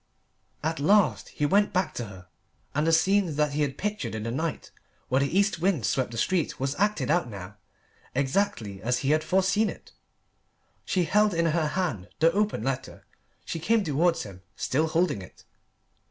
At last he went back to her. And the scene that he had pictured in the night where the east wind swept the street was acted out now, exactly as he had foreseen it. She held in her hand the open letter. She came towards him, still holding it.